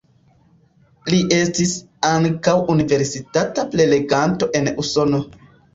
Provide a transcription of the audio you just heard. Li estis ankaŭ universitata preleganto en Usono.